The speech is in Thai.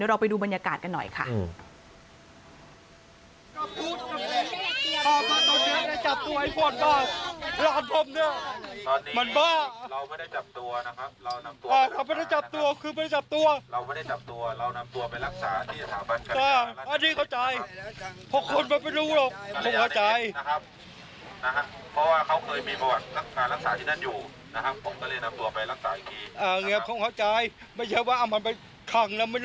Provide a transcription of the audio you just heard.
เราไปดูบรรยากาศกันหน่อยค่ะ